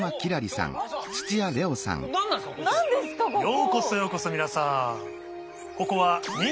ようこそようこそ皆さん。